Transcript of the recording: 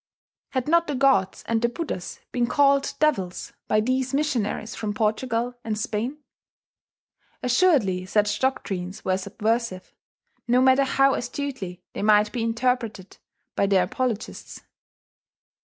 Had not the Gods and the Buddhas been called devils by these missionaries from Portugal and Spain? Assuredly such doctrines were subversive, no matter how astutely they might be interpreted by their apologists.